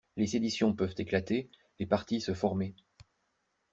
Les séditions peuvent éclater, les partis se former.